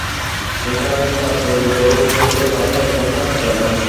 নিসার আলি তাঁর পরিচিত ঐ ভদ্রলোকের বাসায় এক ঘন্টা কাটালেন।